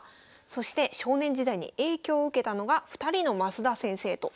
そして少年時代に影響を受けたのが２人のマスダ先生と。